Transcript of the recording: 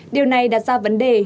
điều này đặt ra vấn đề